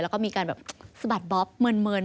แล้วก็มีการแบบสะบัดบ๊อบเมิน